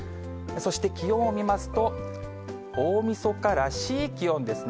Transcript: そして気温を見ますと、大みそからしい気温ですね。